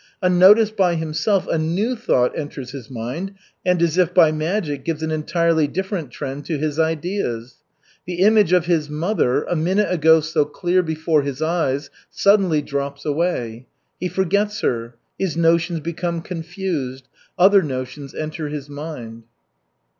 Unnoticed by himself a new thought enters his mind and, as if by magic, gives an entirely different trend to his ideas. The image of his mother, a minute ago so clear before his eyes, suddenly drops away. He forgets her, his notions become confused, other notions enter his mind.